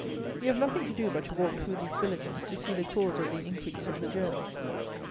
You have nothing to do but to walk through these villages, to see the cause of the increase of the jails.